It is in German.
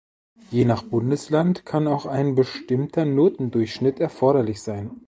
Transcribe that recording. Je nach Bundesland kann auch ein bestimmter Notendurchschnitt erforderlich sein.